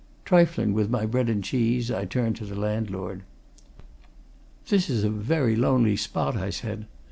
Trifling with my bread and cheese, I turned to the landlord. "This is a very lonely spot," I said.